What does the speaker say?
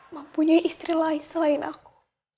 mempunyai istri lain selain aku